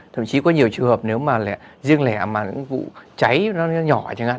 thậm chí có nhiều trường hợp nếu mà riêng lẻ mà những vụ cháy nó nhỏ chẳng hạn